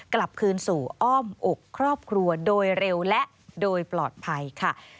กลับคืนสู่อ้อมอกครอบครัวโดยเร็วและโดยปลอดภัยค่ะ